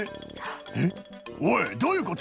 「えっおいどういうこと？」